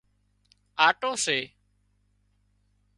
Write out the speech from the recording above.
آٽو سي